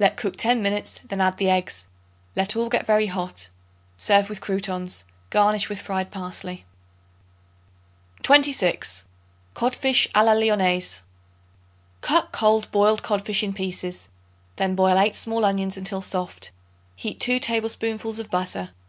Let cook ten minutes; then add the eggs. Let all get very hot. Serve with croutons; garnish with fried parsley. 26. Codfish a la Lyonnaise. Cut cold boiled codfish in pieces; then boil 8 small onions until soft; heat 2 tablespoonfuls of butter.